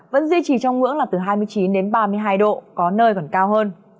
vẫn duy trì trong ngưỡng là từ hai mươi chín đến ba mươi hai độ có nơi còn cao hơn